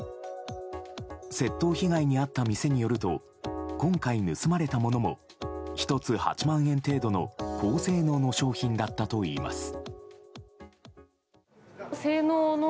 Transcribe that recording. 窃盗被害に遭った店によると今回盗まれたものも１つ８万円程度の高性能の商品だったといいます。